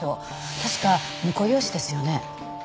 確か婿養子ですよね？